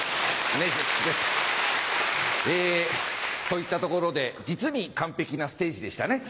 といったところで実に完璧なステージでしたね。